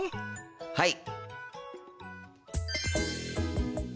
はい！